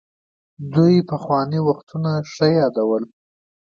دوی پخواني وختونه ښه يادول.